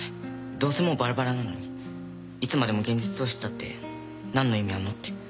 どうせもうばらばらなのにいつまでも現実逃避したって何の意味あんの？って